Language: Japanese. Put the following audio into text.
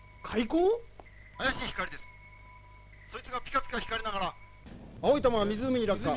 そいつがピカピカ光りながら青い玉は湖に落下。